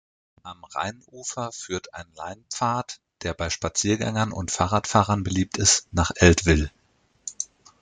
Am Rheinufer führt ein Leinpfad, der bei Spaziergängern und Fahrradfahrern beliebt ist, nach Eltville.